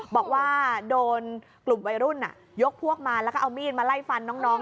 บอกว่าโดนกลุ่มวัยรุ่นยกพวกมาแล้วก็เอามีดมาไล่ฟันน้อง